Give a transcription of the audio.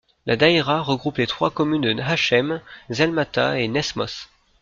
La daïra regroupe les trois communes de Hachem, Zelmata et Nesmoth.